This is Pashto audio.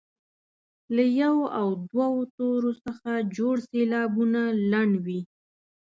له یو او دوو تورو څخه جوړ سېلابونه لنډ وي.